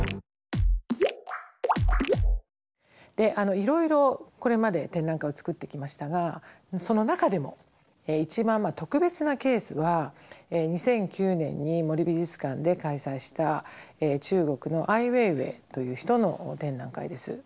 いろいろこれまで展覧会を作ってきましたがその中でも一番特別なケースは２００９年に森美術館で開催した中国のアイ・ウェイウェイという人の展覧会です。